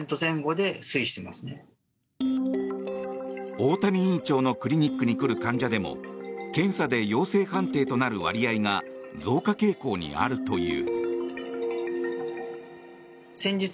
大谷院長のクリニックに来る患者でも検査で陽性判定となる割合が増加傾向にあるという。